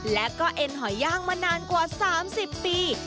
และก็เอ็นหอยย่างมานานกว่า๓๐ปี